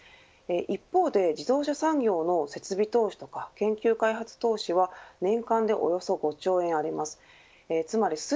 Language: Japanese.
一方で自動車産業の設備投資とか研究開発投資は年間でおよそ５兆円あります。